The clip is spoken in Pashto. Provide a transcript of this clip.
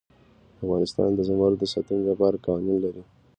افغانستان د زمرد د ساتنې لپاره قوانین لري.